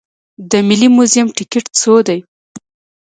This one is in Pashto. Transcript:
د ملي موزیم ټکټ څو دی؟